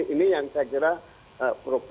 sehingga yang diperlukan adalah pengaturannya